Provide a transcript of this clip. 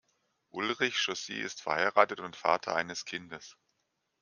Ulrich Chaussy ist verheiratet und Vater eines Kindes.